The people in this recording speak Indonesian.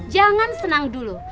jangan senang dulu